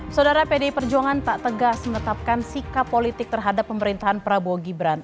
saudara pdi perjuangan tak tegas menetapkan sikap politik terhadap pemerintahan prabowo gibran